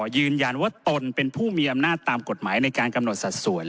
ยืนยันว่าตนเป็นผู้มีอำนาจตามกฎหมายในการกำหนดสัดส่วน